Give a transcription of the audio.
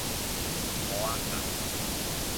芋仔角